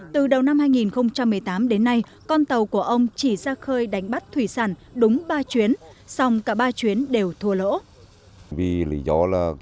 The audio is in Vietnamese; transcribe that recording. từ đầu năm hai nghìn một mươi tám đến nay con tàu của ông chỉ ra khơi đánh bắt thủy sản đúng ba chuyến xong cả ba chuyến đều thua lỗ